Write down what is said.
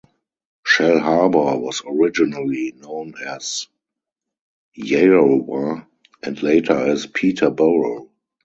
Shellharbour was originally known as "Yerrowah" and later as "Peterborough".